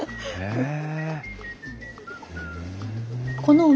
へえ。